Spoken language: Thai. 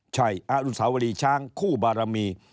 ใช่อรุณสาวรีช้างคู่บารมี